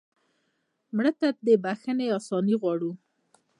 مړه ته د بښنې آساني غواړو